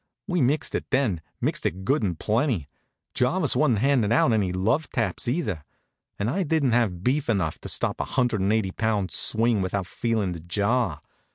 We mixed it then, mixed it good and plenty. Jarvis wa'n't handin' out any love taps, either; and I didn't have beef enough to stop a hundred an' eighty pound swing without feelin' the jar.